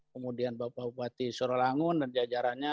kemudian bapak bupati surawangun dan jajarannya